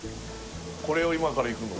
これを今からいくの？